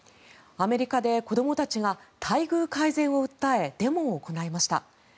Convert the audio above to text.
アメリカで子どもたちが待遇改善を訴えデモを行いました。